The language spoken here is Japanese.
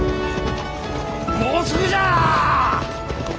もうすぐじゃ！